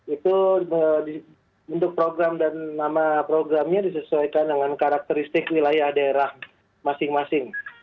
itu bentuk program dan nama programnya disesuaikan dengan karakteristik wilayah daerah masing masing